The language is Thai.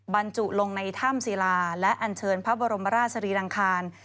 บรรจุลงในถ้ำศิลาและอันเชิญพระบรมราชสรีรังคาร